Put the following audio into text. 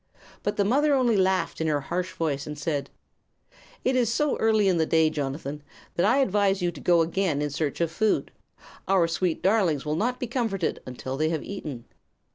But the mother only laughed in her harsh voice and said: "It is so early in the day, Jonathan, that I advise you to go again in search of food. Our sweet darlings will not be comforted until they have eaten."